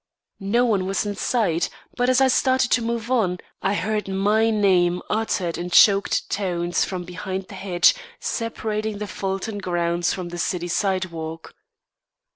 No one was in sight; but as I started to move on, I heard my name uttered in choked tones from behind the hedge separating the Fulton grounds from the city sidewalk.